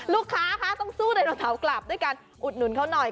ลูกค้าคะต้องสู้ในแถวกลับด้วยการอุดหนุนเขาหน่อย